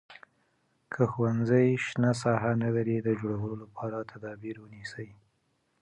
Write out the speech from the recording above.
که ښوونځی شنه ساحه نه لري د جوړولو لپاره تدابیر ونیسئ.